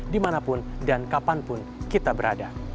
dimanapun dan kapanpun kita berada